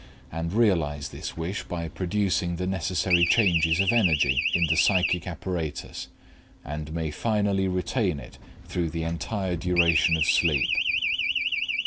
and realize this wish by producing the necessary changes of energy in the psychic apparatus, and may finally retain it through the entire duration of sleep.